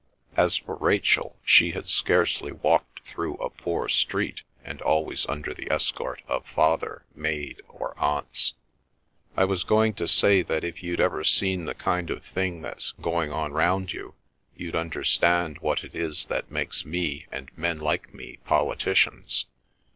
As for Rachel, she had scarcely walked through a poor street, and always under the escort of father, maid, or aunts. "I was going to say that if you'd ever seen the kind of thing that's going on round you, you'd understand what it is that makes me and men like me politicians.